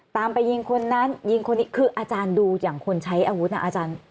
ตามไปยิงคนนั้นยิงคนนี้คืออาจารย์ดูอย่างคนใช้อาวุธนะอาจารย์